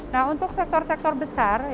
nah untuk sektor sektor besar